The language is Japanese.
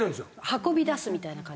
運び出すみたいな感じ？